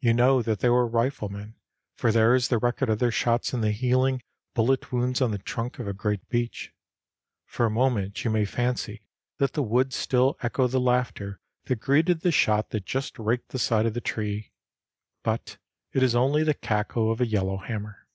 You know that they were riflemen, for there is the record of their shots in the healing bullet wounds on the trunk of a great beech. For a moment you may fancy that the woods still echo the laughter that greeted the shot that just raked the side of the tree; but it is only the cackle of a yellow hammer.